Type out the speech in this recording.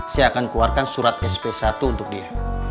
saya akan keluarkan surat sp satu untuk dia